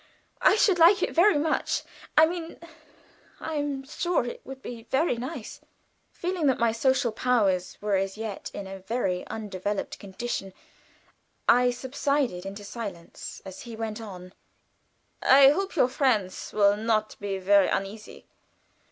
I should like it very much. I mean I am sure it would be very nice." Feeling that my social powers were as yet in a very undeveloped condition, I subsided into silence, as he went on: "I hope your friends will not be very uneasy?"